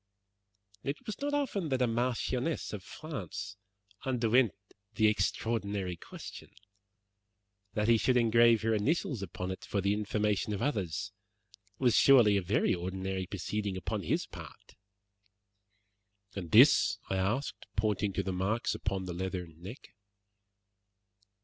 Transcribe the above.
It was not often that a marchioness of France underwent the extraordinary question. That he should engrave her initials upon it for the information of others was surely a very ordinary proceeding upon his part." "And this?" I asked, pointing to the marks upon the leathern neck.